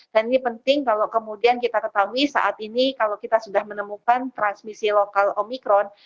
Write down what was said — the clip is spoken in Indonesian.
jadi penting kalau kemudian kita ketahui saat ini kalau kita sudah menemukan transmisi lokal omikron